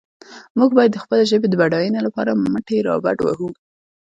موږ باید د خپلې ژبې د بډاینې لپاره مټې رابډ وهو.